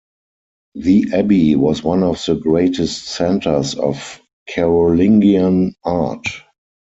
The abbey was one of the greatest centres of Carolingian art.